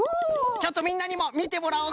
ちょっとみんなにもみてもらおうかのう。